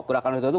gerakan itu itu